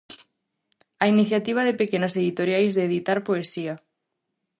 A iniciativa de pequenas editoriais de editar poesía.